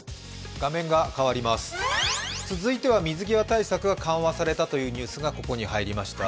続いては水際対策が緩和されたというニュースがここに入りました。